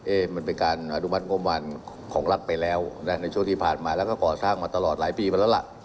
มันเป็นการอนุมัติงบประมาณของรัฐไปแล้วนะในช่วงที่ผ่านมาแล้วก็ก่อสร้างมาตลอดหลายปีมาแล้วล่ะ